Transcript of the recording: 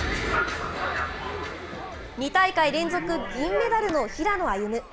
２大会連続、銀メダルの平野歩夢。